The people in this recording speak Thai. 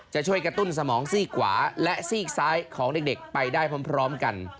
จะช่วยกระตุ้นสมองซีกขวาและซีกซ้ายของเด็กไปได้พร้อมกัน